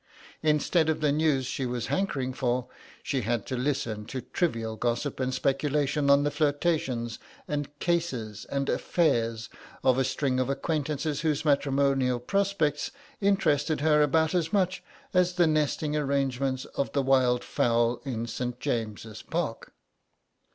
Instead of the news she was hankering for, she had to listen to trivial gossip and speculation on the flirtations and "cases" and "affairs" of a string of acquaintances whose matrimonial projects interested her about as much as the nesting arrangements of the wildfowl in St. James's Park.